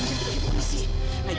lepaskan aku aksan